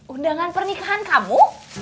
undangan pernikahan kamu